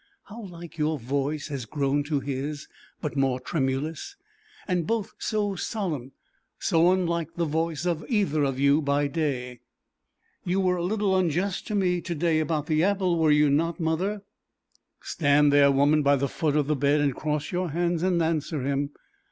How like your voice has grown to his, but more tremulous, and both so solemn, so unlike the voice of either of you by day. "You were a little unjust to me to day about the apple; were you not, mother?" Stand there, woman, by the foot of the bed and cross your hands and answer him.